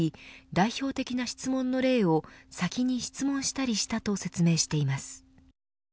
代表的な質問の例を先に質問したりしたと説明しています。